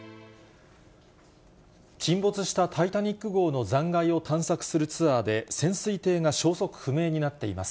沈没したタイタニック号の残骸を探索するツアーで、潜水艇が消息不明になっています。